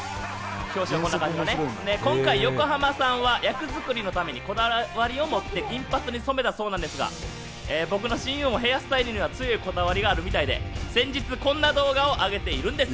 今回、横浜さんは役作りのためにこだわりを持って銀髪に染めたそうなんですが、僕の親友もヘアスタイルには強いこだわりがあるみたいで先日こんな動画を上げているんです。